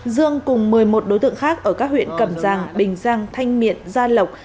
dương cùng một mươi một đối tượng khác ở các huyện cầm giang bình giang thanh miện gia lộc